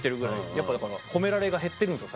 やっぱだから褒められが減ってるんですよ